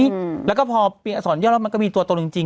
อีกแล้วก็พอเปลี่ยนอักษรย่อมันก็มีตัวตนึงจริง